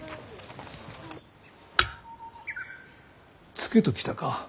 ツケときたか。